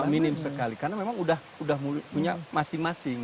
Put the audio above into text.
minim sekali karena memang sudah punya masing masing